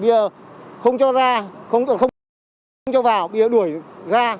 bây giờ không cho ra không cho vào bây giờ đuổi ra